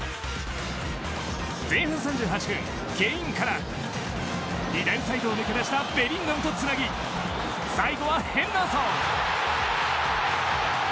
前半３８分、ケインから左サイドを抜け出したベリンガムとつなぎ最後はヘンダーソン。